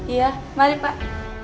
iya mari pak